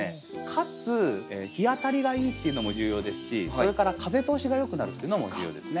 かつ日当たりがいいっていうのも重要ですしそれから風通しが良くなるっていうのも重要ですね。